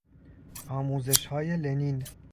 آموزش های لنین